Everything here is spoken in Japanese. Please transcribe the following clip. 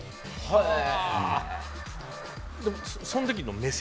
へえ。